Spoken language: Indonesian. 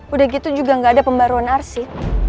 udah gitu juga enggak ada pembaruan arsip